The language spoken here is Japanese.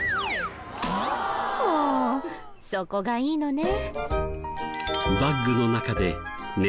もうそこがいいのね。